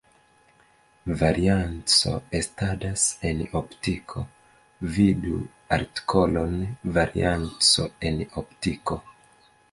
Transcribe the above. Varianco estadas en optiko, vidu artikolon varianco en optiko.